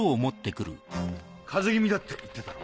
風邪気味だって言ってたろ。